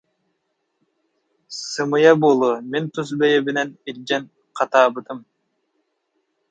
Сымыйа буолуо, мин тус бэйэбинэн илдьэн хатаабытым